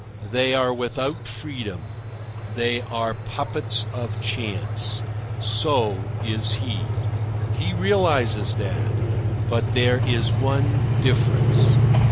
They are without freedom. They are puppets of chance. So is he. He realises that. But there is one difference.